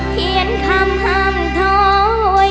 เขียนคำห้ามถอย